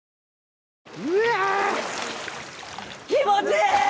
うわーっ気持ちいいー！